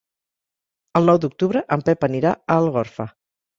El nou d'octubre en Pep anirà a Algorfa.